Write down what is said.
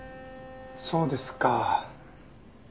そうですか。